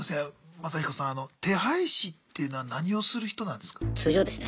マサヒコさん手配師っていうのは何をする人なんですか？